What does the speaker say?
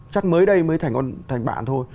chắc mới đây mới thành bạn thôi